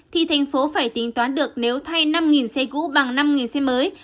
thì thành phố phải tính toán được nếu thay năm xe cũ bằng năm xe mới